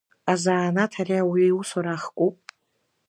Азанааҭ ари ауаҩы иусура ахкуп.